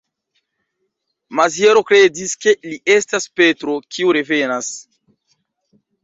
Maziero kredis, ke li estas Petro, kiu revenas.